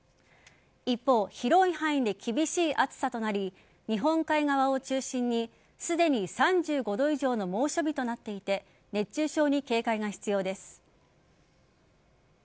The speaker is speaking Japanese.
一方、広い範囲で厳しい暑さとなり日本海側を中心にすでに３５度以上の猛暑日となっていて熱中症に警戒が必要です。